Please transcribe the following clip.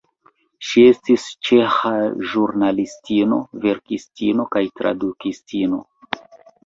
Ŝi estis ĉeĥa ĵurnalistino, verkistino kaj tradukistino.